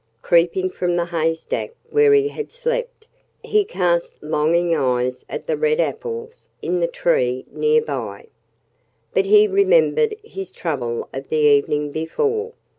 Creeping from the haystack where he had slept, he cast longing eyes at the red apples in the tree near by. But he remembered his trouble of the evening before.